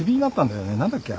何だっけ？